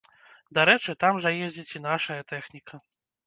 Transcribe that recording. Дарэчы, там жа ездзіць і нашая тэхніка.